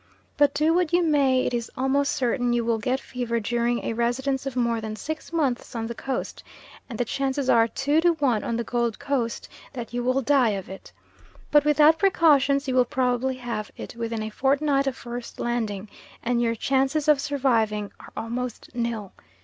But do what you may it is almost certain you will get fever during a residence of more than six months on the Coast, and the chances are two to one on the Gold Coast that you will die of it. But, without precautions, you will probably have it within a fortnight of first landing, and your chances of surviving are almost nil.